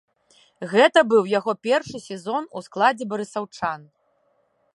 Гэта быў яго першы сезон у складзе барысаўчан.